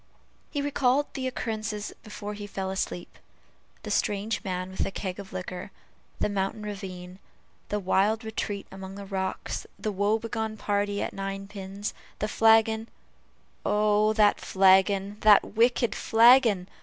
He recalled the occurrences before he fell asleep. The strange man with the keg of liquor the mountain ravine the wild retreat among the rocks the woe begone party at ninepins the flagon "Oh! that flagon! that wicked flagon!"